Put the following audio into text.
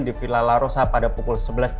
di villa larosa pada pukul